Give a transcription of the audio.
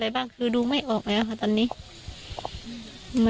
แต่มันไม่เป็นแปลเวอะเพราะ